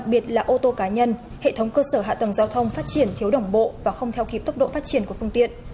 phát triển thiếu đồng bộ và không theo kịp tốc độ phát triển của phương tiện